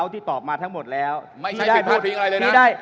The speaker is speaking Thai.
ที่ตอบมาทั้งหมดแล้วไม่ใช่คือถึงอะไรเลยนะที่ได้